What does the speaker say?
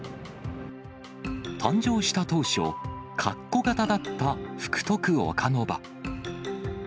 誕生した当初、かっこ型だった福徳岡ノ場。